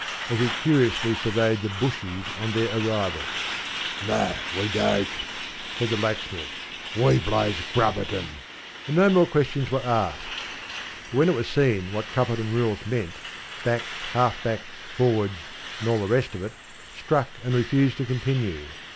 as he curiously surveyed the ‘Bushies’ on their arrival. ‘No, we don't,’ said the Blacksmith. ‘We plays Crupperton,’ and no more questions were asked. But when it was seen what Crupperton rules meant, backs, half backs, forwards, and all the rest of it, struck and refused to continue.